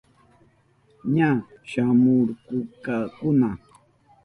Ña shamuhurkakuna.